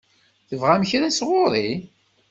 Tebɣam kra sɣur-i?